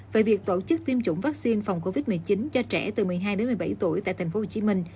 về việc tổ chức tiêm chủng vaccine phòng covid một mươi chín cho trẻ từ một mươi hai đến một mươi bảy tuổi tại tp hcm